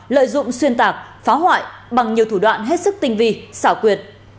lợi dụng xuyên tạc phá hoại bằng nhiều thủ đoạn hết sức tinh vi xảo quyệt